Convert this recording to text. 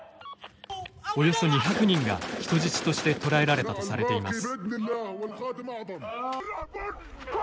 およそ２００人が人質として捕らえられたとされています。